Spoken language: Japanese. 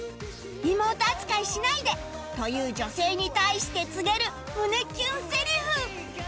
「妹扱いしないで！」という女性に対して告げる胸キュンセリフ